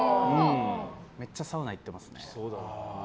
めっちゃサウナ行ってますね。